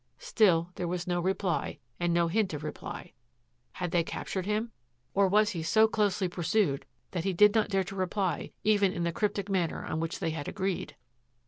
Still there was no reply and no hint of reply. Had they captured him? Or was he so closely pursued that he did not dare to reply even in the cryptic manner on which they had agreed!